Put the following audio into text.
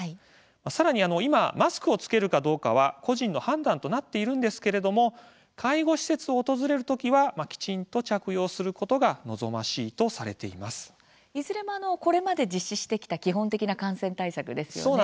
さらに今マスクを着けるかどうかは個人の判断となっていますが介護施設を訪れる時はきちんと着用するのがいずれもこれまで実施してきた基本的な感染対策ですよね。